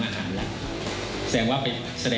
มีความรู้สึกว่ามีความรู้สึกว่า